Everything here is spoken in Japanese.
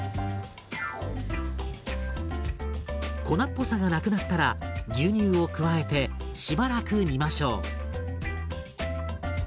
粉っぽさがなくなったら牛乳を加えてしばらく煮ましょう。